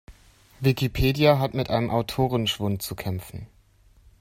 Wikipedia hat mit einem Autorenschwund zu kämpfen.